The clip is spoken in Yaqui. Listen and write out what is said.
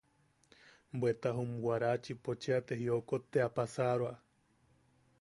Bweta jum Warachipo cheʼa jiokot te a paasaroa.